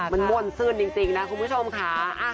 มันม่วนซื่นจริงนะคุณผู้ชมค่ะ